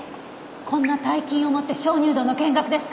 こんな大金を持って鍾乳洞の見学ですか？